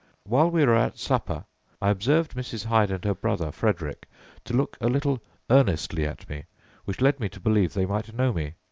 "While we were at slipper, I observed Mrs. Hyde and her brother Frederick to look a little earnestly at me, which led me to believe they might know me.